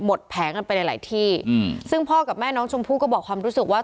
แผงกันไปหลายหลายที่อืมซึ่งพ่อกับแม่น้องชมพู่ก็บอกความรู้สึกว่า